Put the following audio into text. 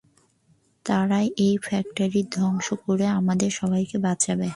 তারাই এই ফ্যাক্টরি ধ্বংস করে আমাদের সবাইকে বাঁচাবে।